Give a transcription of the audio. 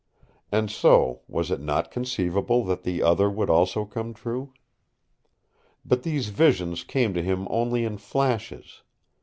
And so was it not conceivable that the other would also come true? But these visions came to him only in flashes.